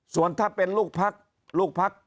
ส่วนถ้าเป็นลูกพัก